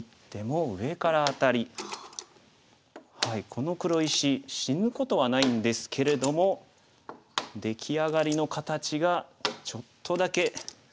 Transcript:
この黒石死ぬことはないんですけれども出来上がりの形がちょっとだけ。